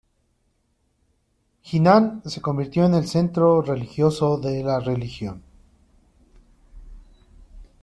Jinan se convirtió en el centro religioso de la región.